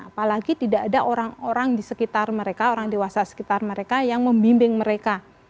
apalagi tidak ada orang orang di sekitar mereka orang dewasa sekitar mereka yang membimbing mereka